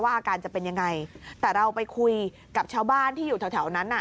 อาการจะเป็นยังไงแต่เราไปคุยกับชาวบ้านที่อยู่แถวนั้นน่ะ